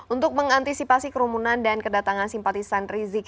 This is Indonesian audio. untuk mengantisipasi kerumunan dan kedatangan simpatisan rizik